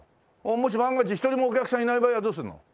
もし万が一１人もお客さんいない場合はどうするの？